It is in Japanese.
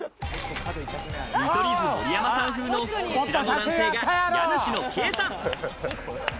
見取り図・盛山さん風のこちらの男性が家主の慶さん。